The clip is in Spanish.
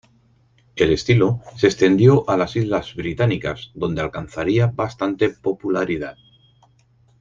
El estilo se extendió a las islas británicas, donde alcanzaría bastante popularidad.